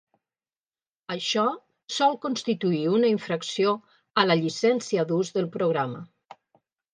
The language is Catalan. Això sol constituir una infracció a la llicència d'ús del programa.